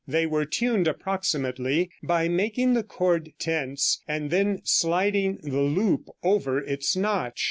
They were tuned approximately by making the cord tense and then sliding the loop over its notch.